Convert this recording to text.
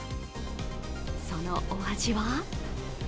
そのお味は？